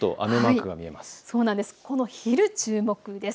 この昼に注目です。